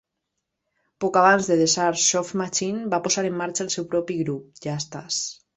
Poc abans de deixar Soft Machine va posar en marxa el seu propi grup, Just Us.